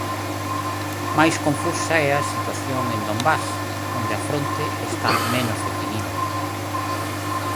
Máis confusa é a situación en Donbás, onde a fronte está menos definida.